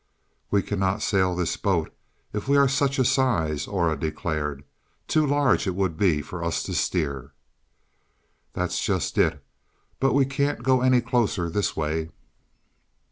"We cannot sail this boat if we are such a size," Aura declared. "Too large it would be for us to steer." "That's just it, but we can't go any closer this way."